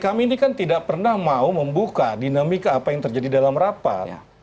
kami ini kan tidak pernah mau membuka dinamika apa yang terjadi dalam rapat